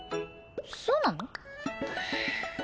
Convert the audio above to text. そうなの？